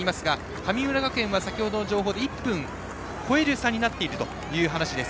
神村学園は先程の情報で１分を超える差になっているという話です。